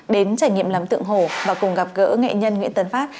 đến trải nghiệm làm tượng hồ và cùng gặp gỡ nghệ nhân nguyễn tấn phát